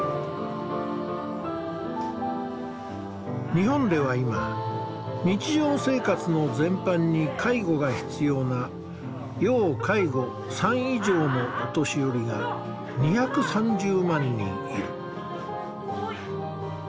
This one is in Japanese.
日本では今日常生活の全般に介護が必要な「要介護３」以上のお年寄りが２３０万人いる。